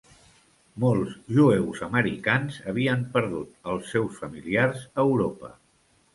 Molts jueus americans havien perdut als seus familiars a Europa.